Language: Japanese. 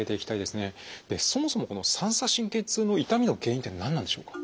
そもそもこの三叉神経痛の痛みの原因っていうのは何なんでしょうか？